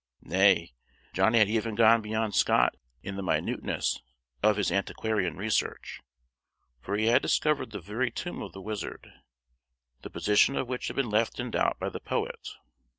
Nay, Johnny had even gone beyond Scott in the minuteness of his antiquarian research, for he had discovered the very tomb of the wizard, the position of which had been left in doubt by the poet.